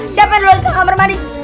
siapa yang duluan ke kamar manis